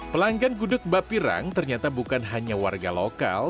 pelanggan gudeg mbak pirang ternyata bukan hanya warga lokal